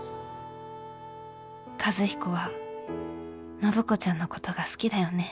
和彦は暢子ちゃんのことが好きだよね。